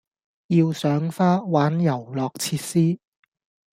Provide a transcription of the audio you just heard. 要賞花、玩遊樂設施